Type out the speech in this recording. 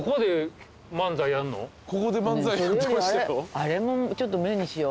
あれもちょっと目にしよう。